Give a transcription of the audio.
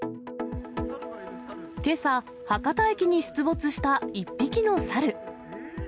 けさ、博多駅に出没した一匹の猿。